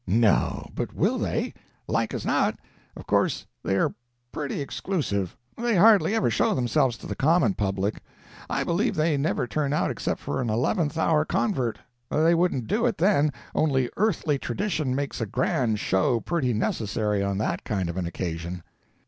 "No, but will they?" "Like as not. Of course they are pretty exclusive. They hardly ever show themselves to the common public. I believe they never turn out except for an eleventh hour convert. They wouldn't do it then, only earthly tradition makes a grand show pretty necessary on that kind of an occasion."